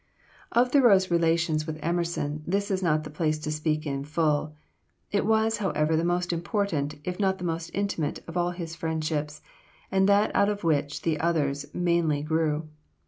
Of Thoreau's relations with Emerson, this is not the place to speak in full; it was, however, the most important, if not the most intimate, of all his friendships, and that out of which the others mainly grew.